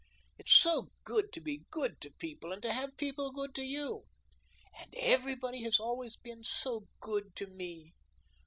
It's so good to be good to people and to have people good to you. And everybody has always been so good to me.